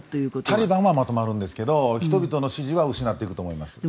タリバンはまとまるんですけど人々の支持は失っていくと思います。